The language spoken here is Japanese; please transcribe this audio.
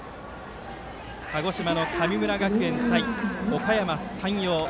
鹿児島の神村学園対おかやま山陽。